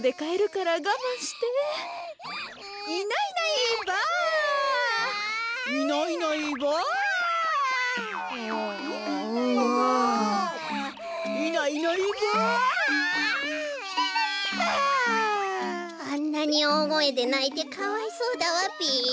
こころのこえあんなにおおごえでないてかわいそうだわべ。